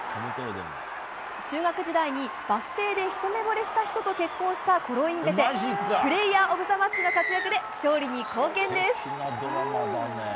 中学時代にバス停でひと目ぼれした人と結婚したコロインベテプレーヤーオブザマッチの活躍で勝利に貢献です。